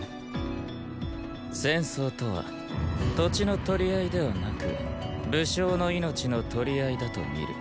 戦争とは土地の奪り合いではなく武将の命の殺り合いだと見る。